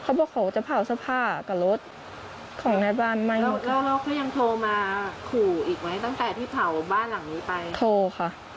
เขาบอกว่าเขาจะเผาสภาพกับรถของในบ้านใหม่แล้วเราก็ยังโทรมาขู่อีกไหมตั้งแต่ที่เผาบ้านหลังนี้ไป